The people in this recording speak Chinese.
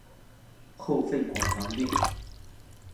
后废广长郡。